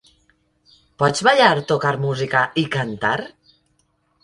Pots ballar, tocar música i cantar?